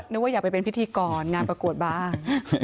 นึกว่าอยากไปเป็นพิธีกรงานประกวดบ้าง